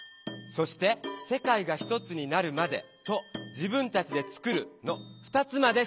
そして「世界がひとつになるまで」と「自分たちで作る」の２つまでしぼれたよね。